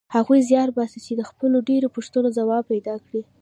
هغوی زیار باسي چې د خپلو ډېرو پوښتنو ځوابونه پیدا کړي.